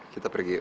kita pergi yuk